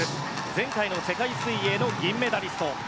前回の世界水泳の銀メダリスト。